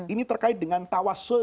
ini terkait dengan tawassul